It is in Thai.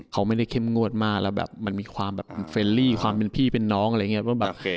เขาไม่ได้เข้มงวดมากแล้วมันมีความเฟรนลี่ความเป็นพี่เป็นน้องอะไรอย่างเงี้ย